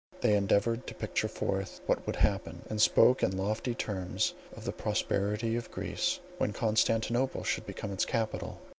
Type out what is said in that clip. They endeavoured to picture forth what would then happen, and spoke in lofty terms of the prosperity of Greece, when Constantinople should become its capital.